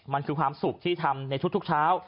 มันคือความสุขที่ทำในทุกเช้า